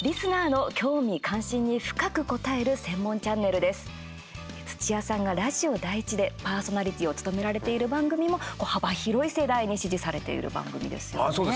ラジオ第１はＦＭは土屋さんがラジオ第１でパーソナリティーを務められている番組も幅広い世代に支持されている番組ですよね。